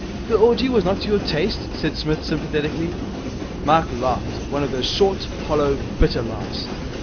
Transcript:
'The orgy was not to your taste?' said Psmith sympathetically. Mike laughed. One of those short, hollow, bitter laughs.